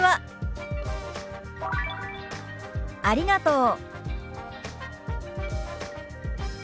「ありがとう」。